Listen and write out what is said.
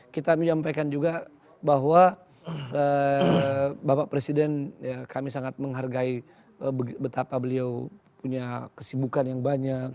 kita menyampaikan juga bahwa bapak presiden kami sangat menghargai betapa beliau punya kesibukan yang banyak